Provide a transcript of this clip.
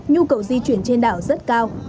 nhu cầu di chuyển trên đảo rất cao